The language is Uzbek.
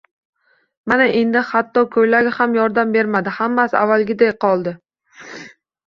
Mana, endi hatto koʻylagi ham yordam bermadi, hammasi avvalgiday qoldi